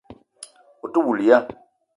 Ou te woul ya?